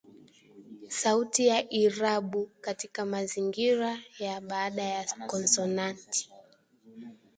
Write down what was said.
sauti ya irabu katika mazingira ya baada ya konsonanti